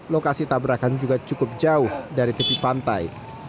lokasi tabrakan juga cukup jauh dari tepi pantai